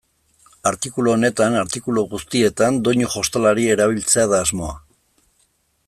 Artikulu honetan, artikulu guztietan, doinu jostalari erabiltzea da asmoa.